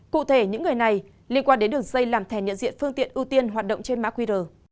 cụ thể những người này liên quan đến đường dây làm thẻ nhận diện phương tiện ưu tiên hoạt động trên mã qr